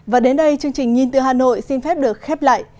và đến đây chương trình nhìn từ hà nội xin phép được khép lại